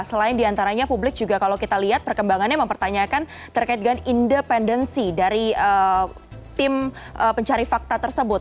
selain diantaranya publik juga kalau kita lihat perkembangannya mempertanyakan terkait dengan independensi dari tim pencari fakta tersebut